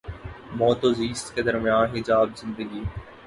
موت و زیست کے درمیاں حجاب زندگی